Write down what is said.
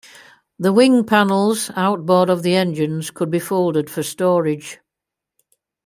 The wing panels outboard of the engines could be folded for storage.